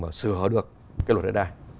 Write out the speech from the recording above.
vào sửa được cái luật đại đai